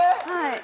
はい。